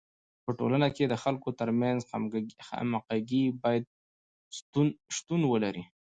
په ټولنه کي د خلکو ترمنځ همږغي باید شتون ولري.